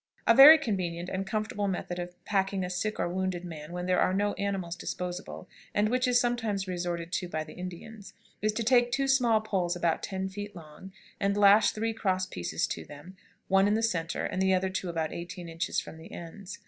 ] A very convenient and comfortable method of packing a sick or wounded man when there are no animals disposable, and which is sometimes resorted to by the Indians, is to take two small poles about ten feet long, and lash three cross pieces to them, one in the centre, and the other two about eighteen inches from the ends.